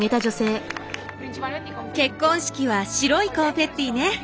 結婚式は白いコンフェッティね。